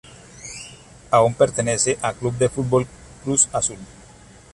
Aún pertenece a club de futbol Cruz azul.